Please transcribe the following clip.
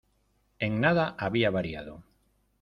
En nada había variado.